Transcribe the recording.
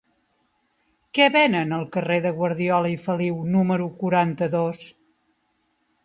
Què venen al carrer de Guardiola i Feliu número quaranta-dos?